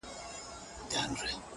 o د سترگو د ملا خاوند دی؛